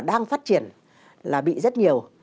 đang phát triển là bị rất nhiều